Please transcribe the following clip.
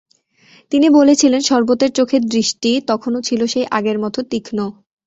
তিনি বলেছিলেন, শরবতের চোখের দৃষ্টি তখনো ছিল সেই আগের মতোই তীক্ষ্ণ।